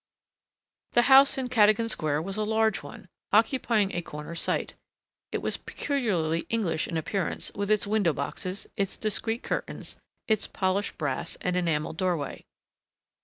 The house in Cadogan Square was a large one, occupying a corner site. It was peculiarly English in appearance with its window boxes, its discreet curtains, its polished brass and enamelled doorway.